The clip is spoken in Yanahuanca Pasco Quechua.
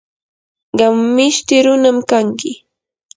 qam mishti runam kanki.